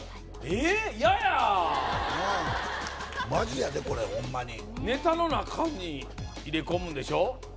えーっ嫌やーなあマジやでこれホンマにネタの中に入れ込むんでしょ？